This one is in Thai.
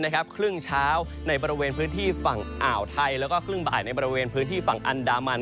ครึ่งเช้าในบริเวณพื้นที่ฝั่งอ่าวไทยแล้วก็ครึ่งบ่ายในบริเวณพื้นที่ฝั่งอันดามัน